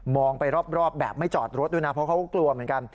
องไปรอบแบบไม่จอดรถด้วยนะเพราะเขาก็กลัวเหมือนกัน